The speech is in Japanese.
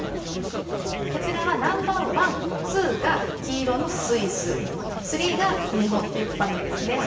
こちらはナンバーワン、ツーが黄色のスイススリーが日本という場面ですね。